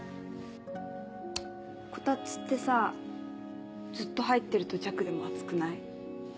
こたつってさずっと入ってると「弱」でも熱くない？